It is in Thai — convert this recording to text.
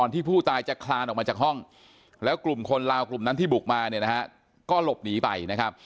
ที่บุกมาเนี่ยนะฮะก็หลบหนีไปนะครับ